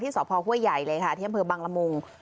ที่สพฮใหญ่เลยค่ะเที่ยงเผลอบังละมุง